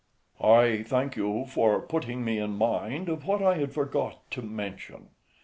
MENIPPUS. I thank you for putting me in mind of what I had forgot to mention.